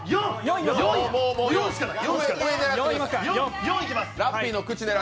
４しかない。